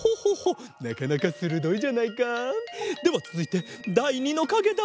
なかなかするどいじゃないか！ではつづいてだい２のかげだ！